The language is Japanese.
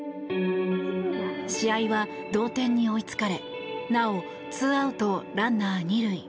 試合は同点に追いつかれなおツーアウト、ランナー２塁。